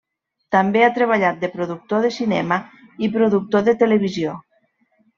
També ha treballat de productor de cinema i productor de televisió.